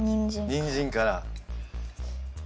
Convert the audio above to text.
にんじんから。